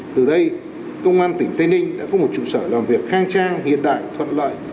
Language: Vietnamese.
từ đây công an tỉnh tây ninh đã có một trụ sở làm việc khang trang hiện đại thuận lợi